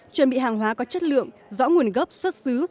chuẩn bị hàng hóa có chất lượng rõ nguồn gốc xuất xứ